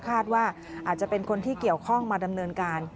คาดว่าอาจจะเป็นคนที่เกี่ยวข้องมาดำเนินการ